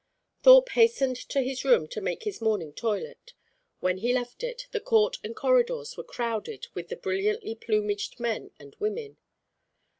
Thorpe hastened to his room to make his morning toilet. When he left it, the court and corridors were crowded with the brilliantly plumaged men and women.